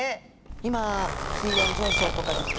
今水温上昇とかですね